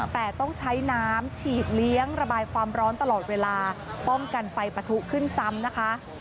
แต่ต้องใช้น้ำฉีดเลี้ยงระบายความร้อนตลอดเวลาป้องกันไฟปะทุขึ้นซ้ำนะคะ